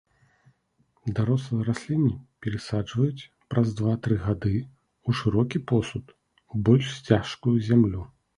Дарослыя расліны перасаджваюць праз два-тры гады ў шырокі посуд, у больш цяжкую зямлю.